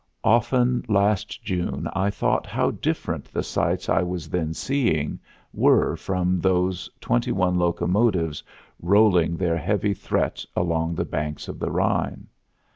Often last June I thought how different the sights I was then seeing were from those twenty one locomotives rolling their heavy threat along the banks of the Rhine.